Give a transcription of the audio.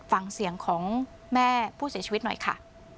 ฟังเสียงของแม่ผู้เสียชีวิตหน่อยค่ะ